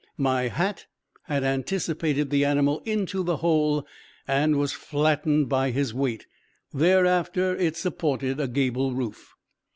My hat had anticipated the animal into the hole and was flattened by his weight; thereafter it supported a gable roof.